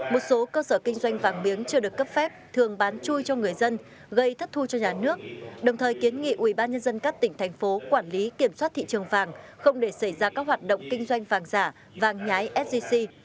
một số cơ sở kinh doanh vàng miếng chưa được cấp phép thường bán chui cho người dân gây thất thu cho nhà nước đồng thời kiến nghị ubnd các tỉnh thành phố quản lý kiểm soát thị trường vàng không để xảy ra các hoạt động kinh doanh vàng giả vàng nhái sgc